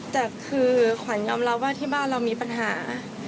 แต่คือขวัญยอมรับว่าที่บ้านเรามีปัญหา